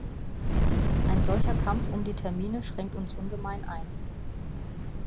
Ein solcher Kampf um die Termine schränkt uns ungemein ein.